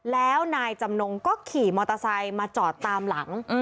แล้วนายจำนงก็ขี่มอเตอร์ไซค์มาจอดตามหลัง